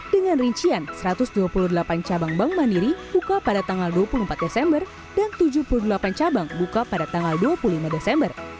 dengan rincian satu ratus dua puluh delapan cabang bank mandiri buka pada tanggal dua puluh empat desember dan tujuh puluh delapan cabang buka pada tanggal dua puluh lima desember